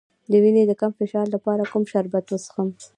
د وینې د کم فشار لپاره کوم شربت وڅښم؟